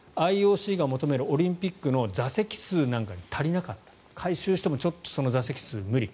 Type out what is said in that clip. ＩＯＣが求めるオリンピックの座席数なんかに足りなかった改修してもちょっとその座席数は無理。